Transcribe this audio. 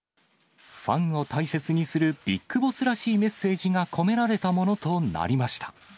ファンを大切にするビッグボスらしいメッセージが込められたもの